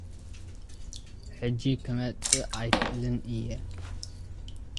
ሕጂ ክመጽእ ኣይክእልን እየ።